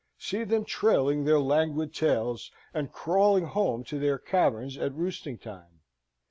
See them trailing their languid tails, and crawling home to their caverns at roosting time!